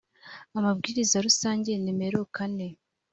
amabwiriza rusange nimero kane